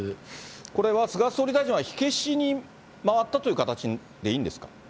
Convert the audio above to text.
これは菅総理大臣は火消しに回ったという形でいいんですか？